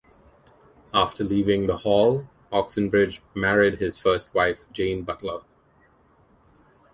After leaving the Hall, Oxenbridge married his first wife, Jane Butler.